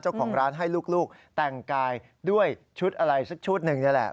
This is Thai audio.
เจ้าของร้านให้ลูกแต่งกายด้วยชุดอะไรสักชุดหนึ่งนี่แหละ